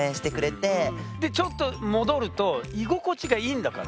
でちょっと戻ると居心地がいいんだから。